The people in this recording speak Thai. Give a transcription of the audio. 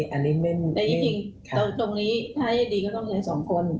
แต่พี่จริงตรงนี้ถ้าใ่ดีก็ต้องใช้๒คน